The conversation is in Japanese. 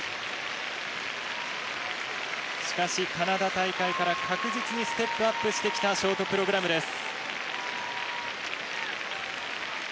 しかしカナダ大会から確実にステップアップしてきたショートプログラムです。